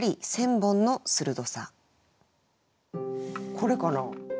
これかな。